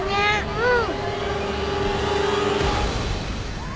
うん。